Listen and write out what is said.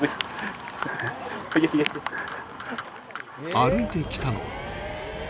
歩いてきたのは